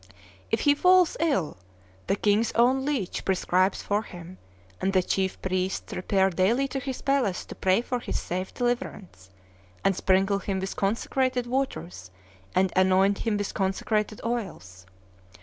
If he falls ill, the king's own leech prescribes for him, and the chief priests repair daily to his palace to pray for his safe deliverance, and sprinkle him with consecrated waters and anoint him with consecrated oils.